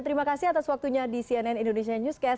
terima kasih atas waktunya di cnn indonesia newscast